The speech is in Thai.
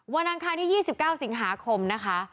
อังคารที่๒๙สิงหาคมนะคะ